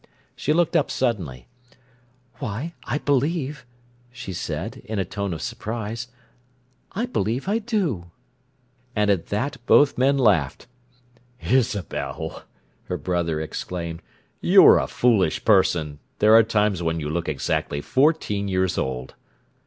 She looked up suddenly. "Why, I believe," she said, in a tone of surprise, "I believe I do!" And at that both men laughed. "Isabel!" her brother exclaimed. "You're a foolish person! There are times when you look exactly fourteen years old!"